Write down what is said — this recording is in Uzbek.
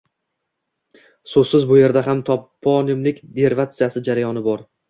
So‘zsiz, bu yerda ham toponimik derivatsiya jarayoni bor.